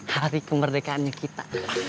hari kemerdekaannya kita